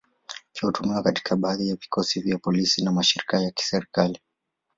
Pia hutumiwa katika baadhi ya vikosi vya polisi na mashirika ya kiserikali.